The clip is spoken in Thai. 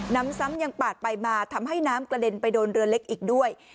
น้ำซ้ำยังปาดไปมาทำให้น้ำกระเด็นไปโดนเรือเล็กอีกด้วย